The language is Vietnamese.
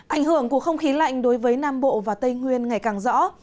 ảnh hưởng của không khí lạnh đối với nam bộ và tây nguyên ngày càng rõ